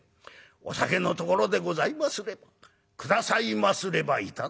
『お酒のところでございますれば下さいますれば頂きます。